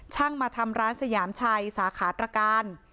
มาทำร้านสยามชัยสาขาตรการ